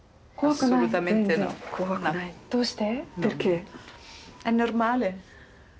どうして？